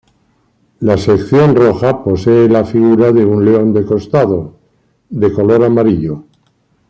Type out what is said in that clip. La sección roja posee la figura de un león de costado, de color amarillo.